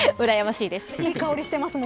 いい香りしてますもん